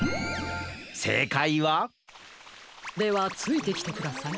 せいかいは？ではついてきてください。